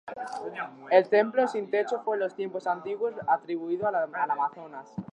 El templo sin techo fue en los tiempos antiguos atribuido a las amazonas.